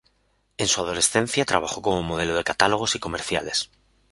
En su adolescencia trabajó como modelo de catálogos y comerciales.